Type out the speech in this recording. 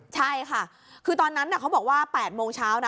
ใช่ค่ะคือตอนนั้นเขาบอกว่า๘โมงเช้านะ